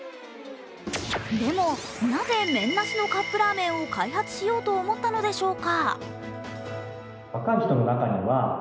でも、なぜ麺なしのカップラーメンを開発しようと思ったのでしょうか。